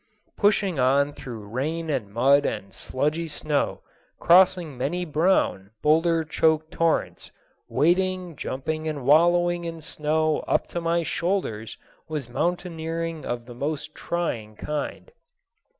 Pushing on through rain and mud and sludgy snow, crossing many brown, boulder choked torrents, wading, jumping, and wallowing in snow up to my shoulders was mountaineering of the most trying kind.